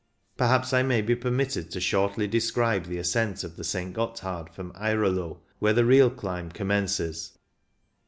Perhaps I may be permitted to shortly describe the ascent of the St. Gotthard from Airolo, where the real climb com mences.